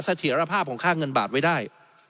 ถียรภาพของค่าเงินบาทไว้ได้